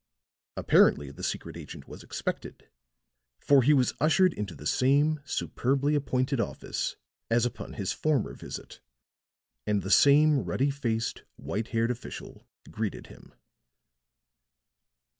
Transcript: Apparently the secret agent was expected, for he was ushered into the same superbly appointed office as upon his former visit; and the same ruddy faced, white haired official greeted him.